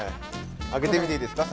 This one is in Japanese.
開けてみていいですか？